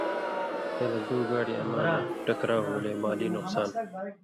کلہۡ دُو گاڑی اما مہ ٹکر ہُوگلے مالی نُقصان